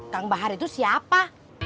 kang bahar itu siapa